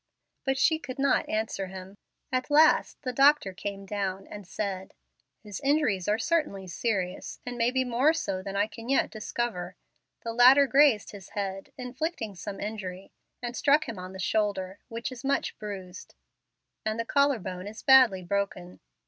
But she could not answer him. At last the doctor came down, and said, "His injuries are certainly serious, and may be more so than I can yet discover. The ladder grazed his head, inflicting some injury, and struck him on the shoulder, which is much bruised, and the collar bone is badly broken.